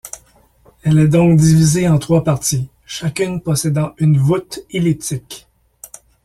Elle est donc divisée en trois parties, chacune possédant une voûte elliptique.